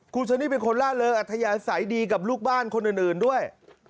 คุณซันนี่เป็นคนล่าเริงอัธยาศัยดีกับลูกบ้านคนอื่นด้วย